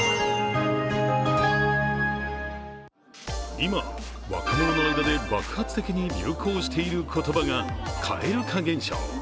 今、若者の間で爆発的に流行している言葉が蛙化現象。